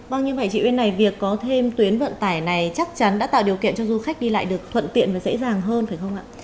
vâng như vậy chị bên này việc có thêm tuyến vận tải này chắc chắn đã tạo điều kiện cho du khách đi lại được thuận tiện và dễ dàng hơn phải không ạ